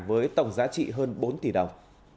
với tổng giá trị hơn bốn tỷ đồng